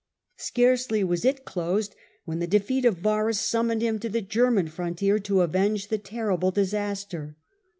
Scarcely was it closed when the defeat of Varus summoned him to the German frontier to avenge the terrible disaster.